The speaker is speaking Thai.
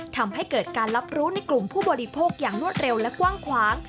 ทำให้เกิดการรับรู้ในกลุ่มผู้บริโภคอย่างรวดเร็วและกว้างขวาง